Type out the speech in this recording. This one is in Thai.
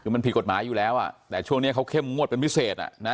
คือมันผิดกฎหมายอยู่แล้วแต่ช่วงนี้เขาเข้มงวดเป็นพิเศษ